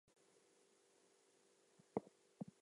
Shell middens indicate the extensive use of land snails for food.